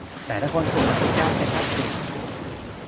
แต่ถ้าคนถูกจับทริกได้เป็นทักษิณ